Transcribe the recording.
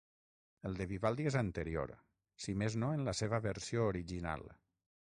El de Vivaldi és anterior, si més no en la seva versió original.